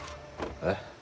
えっ？